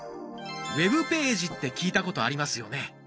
ウェブページって聞いたことありますよね。